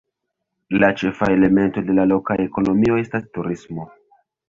La ĉefa elemento de la loka ekonomio estas turismo.